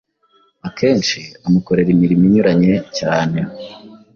Akenshi amukorera imirimo inyuranye cyane.